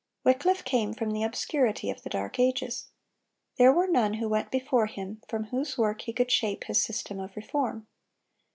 Wycliffe came from the obscurity of the Dark Ages. There were none who went before him from whose work he could shape his system of reform.